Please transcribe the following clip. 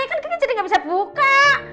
kan kita jadi nggak bisa buka